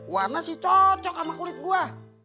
warna sih cocok sama kulit buah